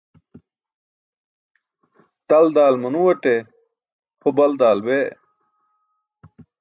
Tal daal manuwate, ho bal daal bee.